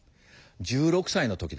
１６歳の時だ。